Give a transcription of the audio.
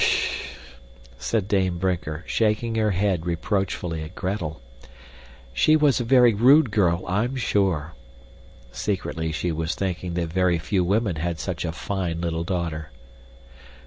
"S s t!" said Dame Brinker, shaking her head reproachfully at Gretel. "She was a very rude girl, I'm sure." Secretly she was thinking that very few women had such a fine little daughter.